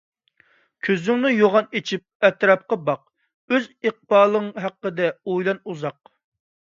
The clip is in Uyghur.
كۆزۈڭنى يوغان ئېچىپ ئەتراپقا باق، ئۆز ئىقبالىڭ ھەققىدە ئويلا ئۇزاق.